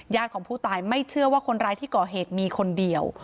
ของผู้ตายไม่เชื่อว่าคนร้ายที่ก่อเหตุมีคนเดียว